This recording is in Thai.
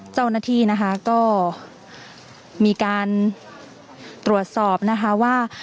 เจ้าหน้าที่นะคะก็มีการตรวจสอบนะคะว่า